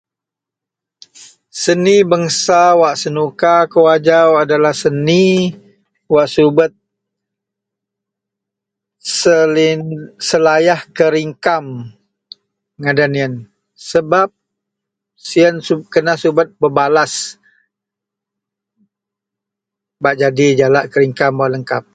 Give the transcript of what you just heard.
Seni bangsa wak senuka kou ajau adalah seni wak subet selen selayah keringkam ngadan yen sebab siyen su kena subet bebalaih bak jadi jalak keringkam wak lengkap